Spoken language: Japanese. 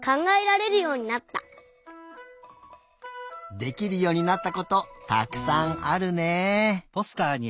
できるようになったことたくさんあるね。